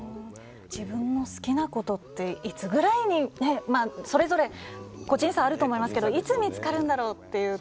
自分の好きなことっていつぐらいにそれぞれ個人差あると思いますけどいつ見つかるんだろうっていう。